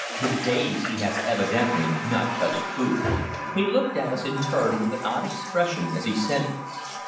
For days he has evidently not touched food." He looked at us in turn with an odd expression as he said this.